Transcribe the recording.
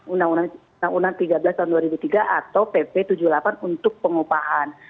undang undang tiga belas tahun dua ribu tiga atau pp tujuh puluh delapan untuk pengupahan